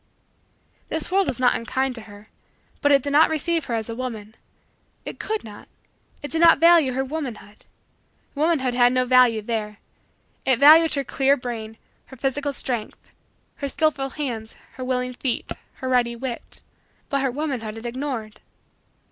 This world was not unkind to her, but it did not receive her as a woman. It could not. It did not value her womanhood. Womanhood has no value there. It valued her clear brain, her physical strength, her skillful hands, her willing feet, her ready wit: but her womanhood it ignored.